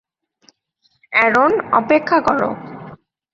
Aaron, অপেক্ষা করো।